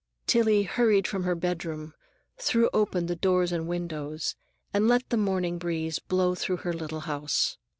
Tillie hurried from her bedroom, threw open the doors and windows, and let the morning breeze blow through her little house.